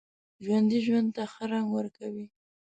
ژوندي ژوند ته ښه رنګ ورکوي